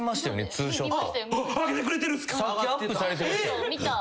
ツーショット？